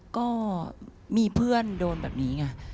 ก็มีเพื่อนโดนแบบนี้ไง